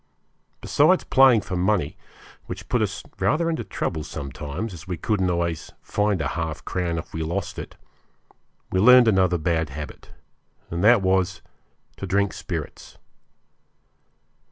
Besides playing for money, which put us rather into trouble sometimes, as we couldn't always find a half crown if we lost it, we learned another bad habit, and that was to drink spirits.